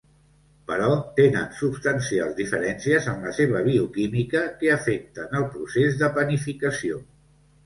Però tenen substancials diferències en la seva bioquímica que afecten el procés de panificació.